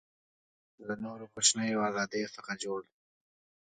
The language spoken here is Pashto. له نورو کوچنیو آزادیو څخه جوړ دی.